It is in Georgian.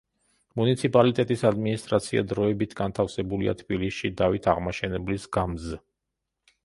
მუნიციპალიტეტის ადმინისტრაცია დროებით განთავსებულია თბილისში დავით აღმაშენებლის გამზ.